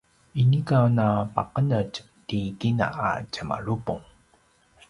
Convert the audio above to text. inika napaqenetj ti kina a tjemalupung